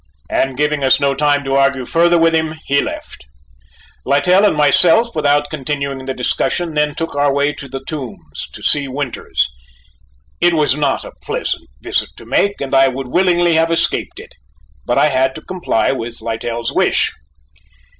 and giving us no time to argue further with him, he left us. Littell and myself, without continuing the discussion, then took our way to the Tombs to see Winters. It was not a pleasant visit to make and I would willingly have escaped it, but I had to comply with Littell's wish.